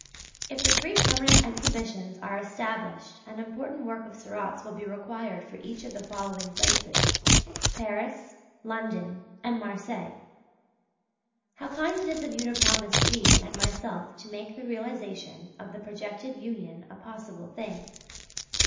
If the three permanent exhibitions are established an important work of Seurat's will be required for each of the following places Paris, London and Marseilles. How kind it is of you to promise G. and myself to make the realization of the projected union a possible thing!